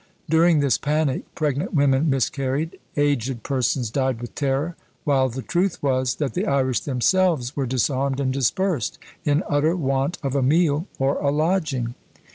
During this panic pregnant women miscarried, aged persons died with terror, while the truth was, that the Irish themselves were disarmed and dispersed, in utter want of a meal or a lodging!